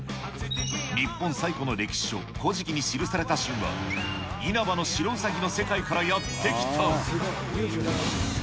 日本最古の歴史書、古事記に記された神話、因幡の白兎の世界からやって来た。